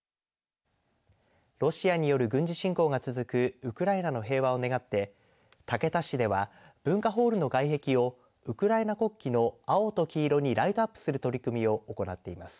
ロシアによる軍事侵攻が続くウクライナの平和を願って竹田市では文化ホールの外壁をウクライナ国旗の青と黄色にライトアップする取り組みを行っています。